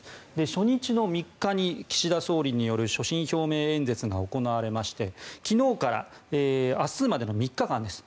初日の３日に岸田総理による所信表明演説が行われまして昨日から明日までの３日間です